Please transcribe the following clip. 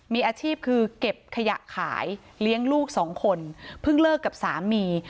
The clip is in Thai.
มีอาชีพคือเก็บขยะขายเลี้ยงลูกสองคนเพิ่งเลิกกับสามี